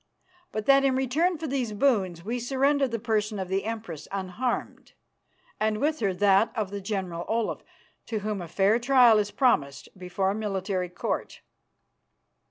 But that, in return for these boons, we surrender the person of the Empress unharmed, and with her that of the General Olaf, to whom a fair trial is promised before a military court.